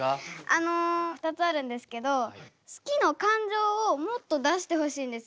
あの２つあるんですけど「好き」の感情をもっと出してほしいんですよ。